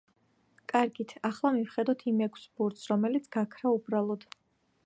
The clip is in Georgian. კარგით, ახლა მივხედოთ იმ ექვსს ბურთს, რომელიც გაქრა უბრალოდ.